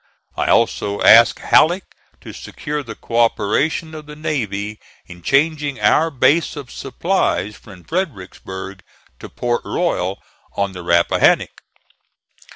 I also asked Halleck to secure the cooperation of the navy in changing our base of supplies from Fredericksburg to Port Royal, on the Rappahannock.